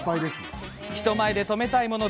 人前で止めたいもの